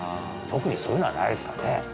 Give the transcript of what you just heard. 特にそういうのはないですかね？